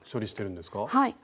はい。